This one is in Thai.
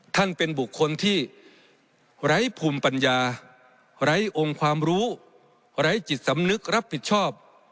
ท่านเป็นบุคคลที่ไร้ภูมิปัญญาไร้องค์ความรู้ไร้จิตสำนึกรับผิดชอบ